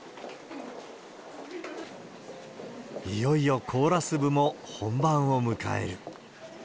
いよいよコーラス部も本番を迎える。